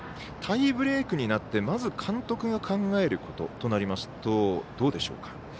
タイブレークになってまず監督が考えることとなるとどうでしょうか。